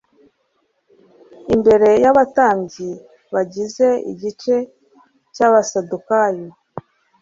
imbere y'abatambyi bagize igice cy'abasadukayo,